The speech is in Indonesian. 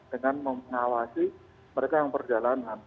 dengan mengawasi mereka yang perjalanan